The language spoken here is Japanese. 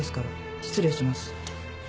失礼します。